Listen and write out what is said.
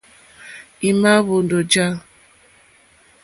Í má ǃhwóndó ǃjá.